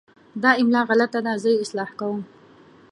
دا املا غلط ده، زه یې اصلاح کوم.